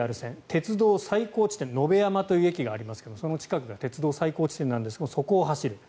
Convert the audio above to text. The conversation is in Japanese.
鉄道最高地点野辺山という駅がありますがその近くが鉄道最高地点なんですがそこを走る。